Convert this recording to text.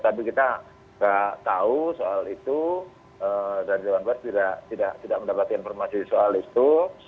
tapi kita tidak tahu soal itu dan dewan pes tidak mendapatkan informasi soal itu